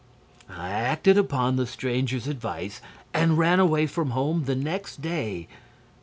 "I acted upon the stranger's advice and ran away from home the next day.